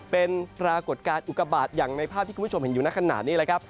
เป็นปรากฏการณ์อุกบาตอย่างในภาพที่คุณผู้ชมเห็นอยู่นักขนาดนี้